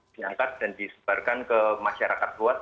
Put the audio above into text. diangkat dan disebarkan ke masyarakat luas